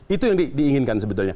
itu yang diinginkan sebetulnya